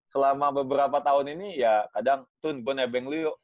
selama beberapa tahun ini ya kadang itun gue nebeng lu yuk